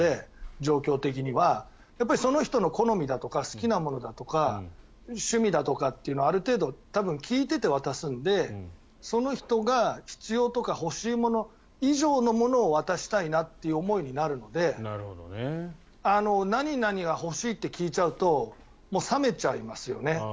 状況的にはその人の好みだとか好きなものだとか趣味だとかってのをある程度、聞いていて渡すのでその人が必要とか欲しいもの以上のものを渡したいという思いになるので何々が欲しいって聞いちゃうと冷めちゃいますよね。